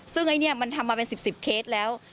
ซึ่งไอ้นี่มันทำมาเป็น๑๐เคสแล้ว